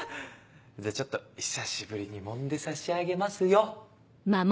じゃちょっと久しぶりにもんでさしあげますよ。